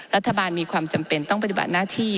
รัฐบาลมีความจำเป็นต้องปฏิบัติหน้าที่